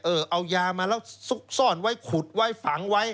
เอายามาแล้วซุกซ่อนไว้ขุดไว้ฝังไว้